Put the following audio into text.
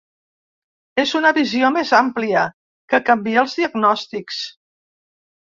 És una visió més àmplia, que canvia els diagnòstics.